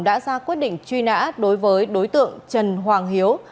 đã ra quyết định truy nã đối với đối tượng trần hoàng hiếu